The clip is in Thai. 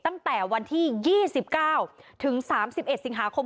ตั้งแต่วันที่๒๙ถึง๓๑สิงหาคม